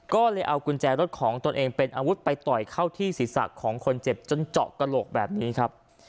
ก็เลยเอากุญแจรถของตนเองเป็นอาวุธไปต่อยเข้าที่ศีรษะของคนเจ็บจนเจาะกระโหลกแบบนี้ครับ